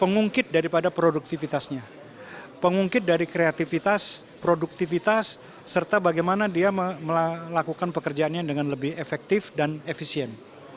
pengungkit daripada produktivitasnya pengungkit dari kreativitas produktivitas serta bagaimana dia melakukan pekerjaannya dengan lebih efektif dan efisien